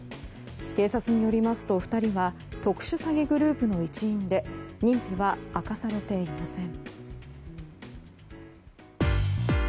警察によりますと２人は特殊詐欺グループの一員で認否は明かされていません。